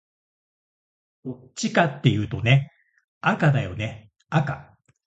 どっちかっていうとね、赤だよね赤